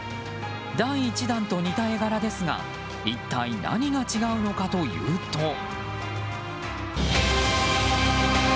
第１弾と似た絵柄ですが一体何が違うのかというと。